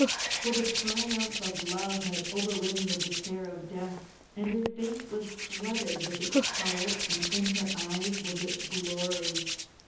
For the triumph of love had overridden the despair of death, and her face was flooded with its colour and in her eyes was its glory.